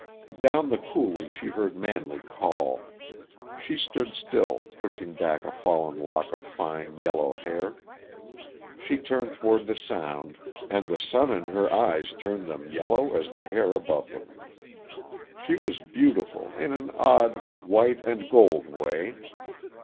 Down the coulee she heard Manley call. She stood still, pushing back a fallen lock of fine, yellow hair. She turned toward the sound, and the sun in her eyes turned them yellow as the hair above them. She was beautiful, in an odd, white and gold way.